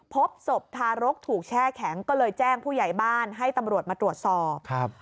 พบศพทารกถูกแช่แข็งก็เลยแจ้งผู้ใหญ่บ้านให้ตำรวจมาตรวจสอบครับ